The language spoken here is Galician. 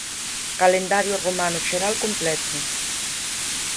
Calendario romano xeral completo